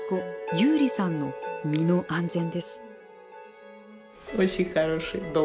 ユーリさんの身の安全です。